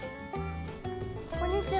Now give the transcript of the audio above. こんにちは。